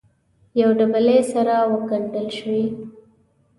یو دبلې سره وګنډل شوې